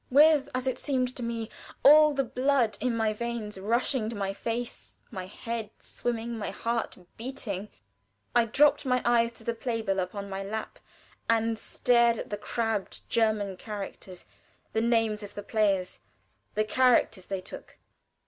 With (as it seemed to me) all the blood in my veins rushing to my face, my head swimming, my heart beating, I dropped my eyes to the play bill upon my lap, and stared at the crabbed German characters the names of the players, the characters they took.